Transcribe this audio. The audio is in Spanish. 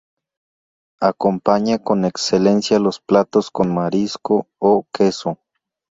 Acompaña con excelencia los platos con marisco o queso.